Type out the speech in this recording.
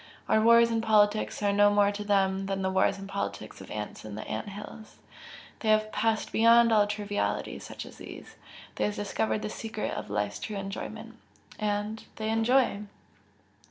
Our wars and politics are no more to them than the wars and politics of ants in ant hills, they have passed beyond all trivialities such as these. They have discovered the secret of life's true enjoyment and they enjoy!"